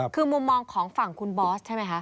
คือมุมมองของฝั่งคุณบอสใช่ไหมคะ